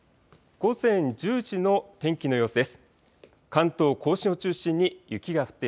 午前１０時の天気の様子です。